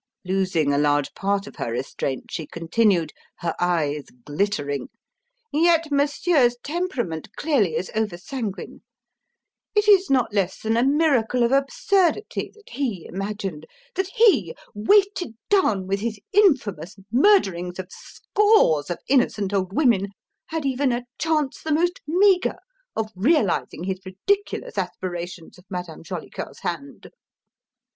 Losing a large part of her restraint, she continued, her eyes glittering: "Yet Monsieur's temperament clearly is over sanguine. It is not less than a miracle of absurdity that he imagined: that he, weighted down with his infamous murderings of scores of innocent old women, had even a chance the most meagre of realizing his ridiculous aspirations of Madame Jolicoeur's hand!"